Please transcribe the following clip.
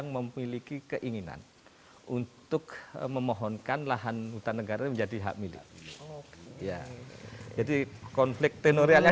memiliki keinginan untuk memohonkan lahan hutan negara menjadi hak milik ya jadi konflik tenorialnya